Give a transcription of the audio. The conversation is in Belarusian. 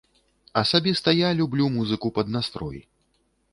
Асабіста я люблю музыку пад настрой.